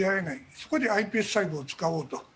そこでｉＰＳ細胞を使おうと。